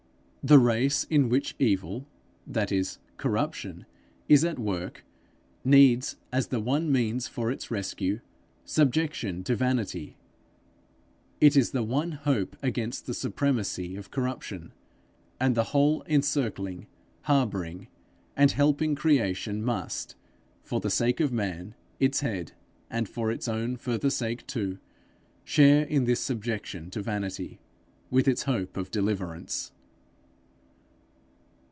The race in which evil that is, corruption, is at work, needs, as the one means for its rescue, subjection to vanity; it is the one hope against the supremacy of corruption; and the whole encircling, harboring, and helping creation must, for the sake of man, its head, and for its own further sake too, share in this subjection to vanity with its hope of deliverance.